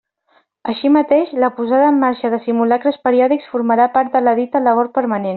Així mateix, la posada en marxa de simulacres periòdics formarà part de la dita labor permanent.